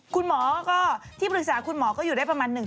คุณหมอก็ที่ปรึกษาคุณหมอก็อยู่ได้ประมาณหนึ่ง